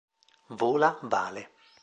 Vola Vale